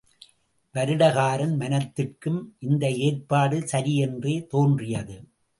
வருடகாரன் மனத்திற்கும் இந்த ஏற்பாடு சரி என்றே தோன்றியது.